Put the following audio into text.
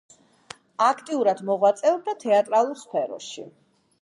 აქტიურად მოღვაწეობდა თეატრალურ სფეროში.